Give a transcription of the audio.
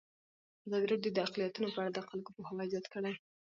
ازادي راډیو د اقلیتونه په اړه د خلکو پوهاوی زیات کړی.